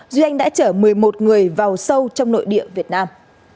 duy anh đã chở một mươi một người vào sâu trong nội địa việt nam